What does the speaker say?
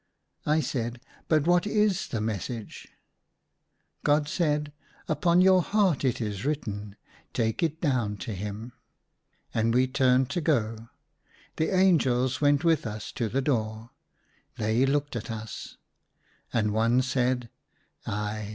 " I said, "But what is the message ?" God said, " Upon your hearts it is written ; take it down to him." And we turned to go ; the angels went with us to the door. They looked at us. And one said —" Ai !